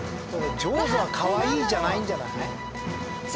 ジョーズはカワイイじゃないんじゃない？